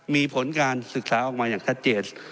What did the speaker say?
มีผลการศึกษาออกมาอย่างชัดเจน